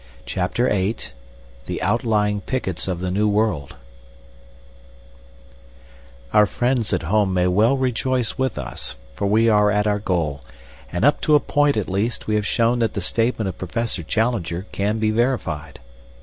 CHAPTER VIII "The Outlying Pickets of the New World" Our friends at home may well rejoice with us, for we are at our goal, and up to a point, at least, we have shown that the statement of Professor Challenger can be verified.